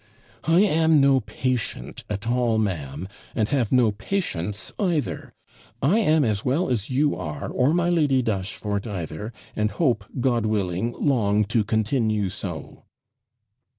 'I am no patient at all, ma'am, and have no patience either; I am as well as you are, or my Lady Dashfort either, and hope, God willing, long to continue so.'